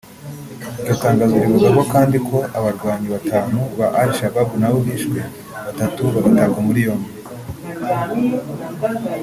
Iryo tangazo rivuga kandi ko abarwanyi batanu ba al Shabab nabo bishwe batatu bagatabwa muri yombi